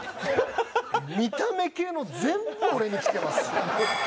見た目系の全部俺にきてます。